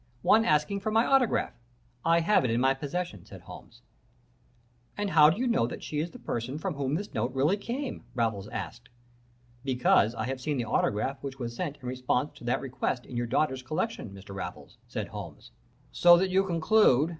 One asking for my autograph. I have it in my possession,' said Holmes. "'And how do you know that she is the person from whom that note really came?' Raffles asked. "'Because I have seen the autograph which was sent in response to that request in your daughter's collection, Mr. Raffles,' said Holmes. "'So that you conclude